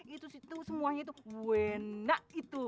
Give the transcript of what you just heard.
itu situ semuanya itu wena itu